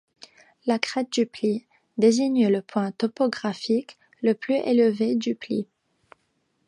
La crête du pli désigne le point topographique le plus élevé du pli.